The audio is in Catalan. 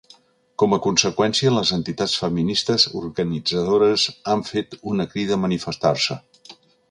Com a conseqüència, les entitats feministes organitzadores han fet una crida a manifestar-se.